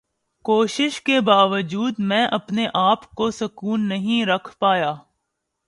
کوشش کے باوجود میں اپنے آپ کو سکون نہیں رکھ پایا۔